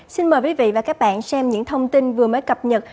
xin mời quý vị và các bạn xem những thông tin vừa mới cập nhật